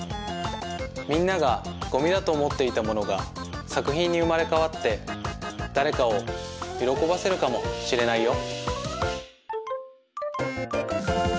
みんながごみだとおもっていたものがさくひんにうまれかわってだれかをよろこばせるかもしれないよ。